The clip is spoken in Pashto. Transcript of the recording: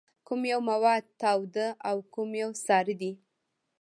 کوم یو مواد تاوده او کوم یو ساړه دي؟